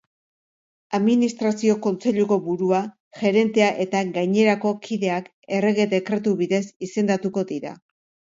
Administrazio-kontseiluko burua, gerentea eta gainerako kideak errege-dekretu bidez izendatuko dira.